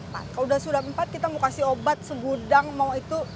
kalau sudah empat kita mau kasih obat segudang mau itu